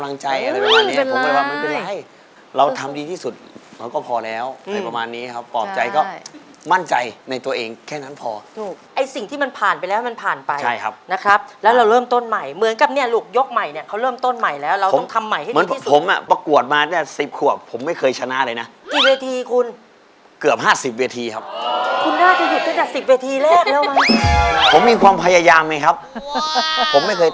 โอ้โฮโอ้โฮโอ้โฮโอ้โฮโอ้โฮโอ้โฮโอ้โฮโอ้โฮโอ้โฮโอ้โฮโอ้โฮโอ้โฮโอ้โฮโอ้โฮโอ้โฮโอ้โฮโอ้โฮโอ้โฮโอ้โฮโอ้โฮโอ้โฮโอ้โฮโอ้โฮโอ้โฮโอ้โฮโอ้โฮโอ้โฮโอ้โฮโอ้โฮโอ้โฮโอ้โฮโอ้โ